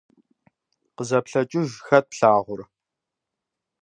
Къызэплъэкӏыж, хэт плъагъур?